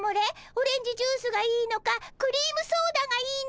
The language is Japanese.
オレンジジュースがいいのかクリームソーダがいいのか。